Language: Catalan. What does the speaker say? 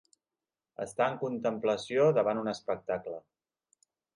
Estar en contemplació davant un espectacle.